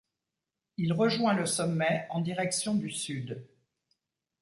Il rejoint le sommet en direction du sud.